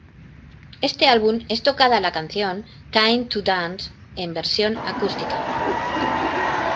Este álbum es tocada la canción Time to Dance en versión acústica.